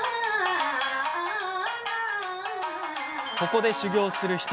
ここで修業する１人